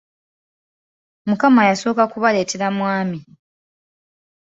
Mukama yasooka kubaleetera mwami.